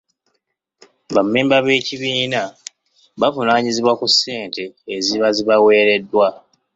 Ba mmemba b'ekibiina bavunaanyizibwa ku ssente eziba zibaweereddwa.